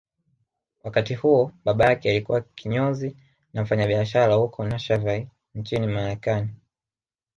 Wakati huo baba yake alikuwa kinyozi na mfanyabiashara huko Narshaville nchini Marekani